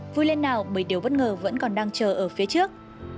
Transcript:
vui lên nào bởi điều bất ngờ vẫn còn đang chờ ở phía trước